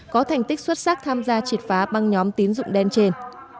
có thành tích xuất sắc tham gia triệt phá băng nhóm tín dụng đen trên